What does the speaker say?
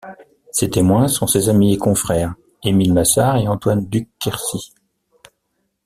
Ses témoins sont ses amis et confrères Émile Massard et Antoine Duc-Quercy.